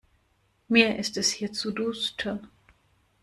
Mir ist es hier zu duster.